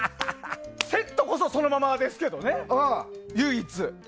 セットこそそのままですけどね、唯一。